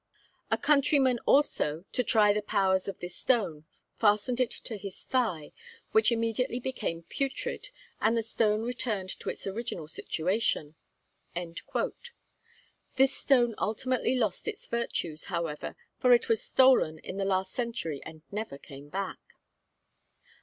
A countryman also, to try the powers of this stone, fastened it to his thigh, which immediately became putrid, and the stone returned to its original situation.' This stone ultimately lost its virtues, however, for it was stolen in the last century and never came back.